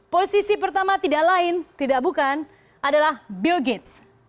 posisi pertama tidak lain tidak bukan adalah bill gates